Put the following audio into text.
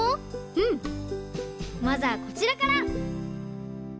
まずはこちらから！